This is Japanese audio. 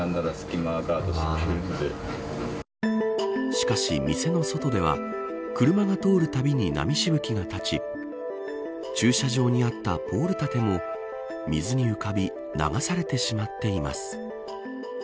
しかし、店の外では車が通るたびに、波しぶきが立ち駐車場にあったポール立ても水に浮かび流されてしまっています。